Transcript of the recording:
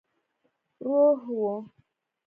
روح وو.